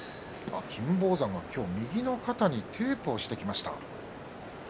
金峰山は今日を右の肩にテープをしてきました。